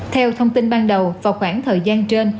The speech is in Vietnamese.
theo thông tin ban đầu vào khoảng thời gian trên